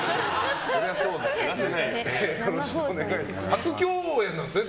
そりゃそうですけどね。